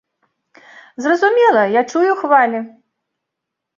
Зразумела, я чую хвалі.